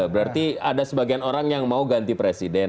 berarti ada sebagian orang yang mau ganti presiden